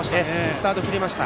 スタート切りました。